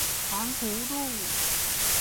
環湖路